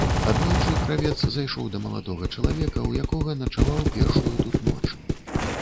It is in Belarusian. Аднойчы кравец зайшоў да маладога чалавека, у якога начаваў першую тут ноч.